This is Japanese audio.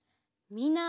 みんな。